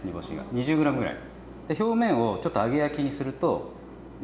２０ｇぐらい。